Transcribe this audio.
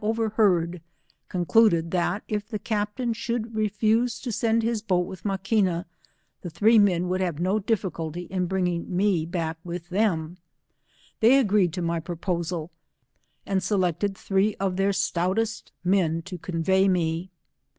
rheard, concluded tSt if the captain should refuse to send his boat with Maquina, the three men would have no difficulty in bringing me back with them, they agreed'to my proposal, and select ed three of their stoutest men to convey me.